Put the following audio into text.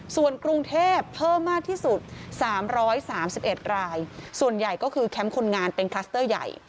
ส่วนกรุงเทพเพิ่มมากที่สุด๓๓๑รายส่วนใหญ่ก็คือแคมป์คนงานเป็นคลัสเตอร์ใหญ่